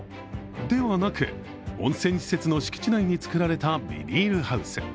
ではなく、温泉施設の敷地内に作られたビニールハウス。